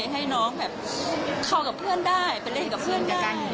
ให้น้องเข้ากับเพื่อนได้ไปเล่นกับเพื่อนได้